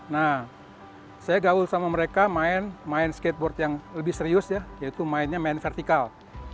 nah saya gaul sama mereka main skateboard yang lebih serius ya yaitu mainnya main vertikal